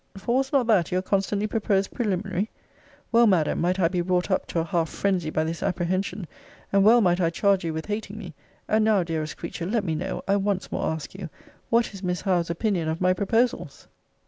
For was not that your constantly proposed preliminary? Well, Madam, might I be wrought up to a half phrensy by this apprehension; and well might I charge you with hating me. And now, dearest creature, let me know, I once more ask you, what is Miss Howe's opinion of my proposals?